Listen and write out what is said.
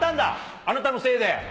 あなたのせいで。